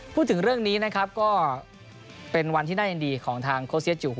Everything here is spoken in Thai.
พูดถึงเรื่องนี้นะครับก็เป็นวันที่น่ายินดีของทางโคเซียจู